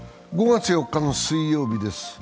５月４日の水曜日です。